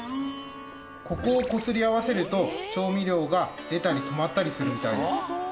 ここをこすり合わせると調味料が出たり止まったりするみたいです。